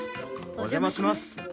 お邪魔します。